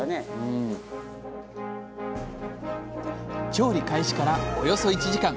調理開始からおよそ１時間。